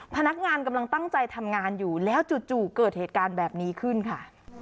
พนักงานกำลังตั้งใจทำงานอยู่แล้วจู่เกิดเหตุการณ์แบบนี้ขึ้นค่ะ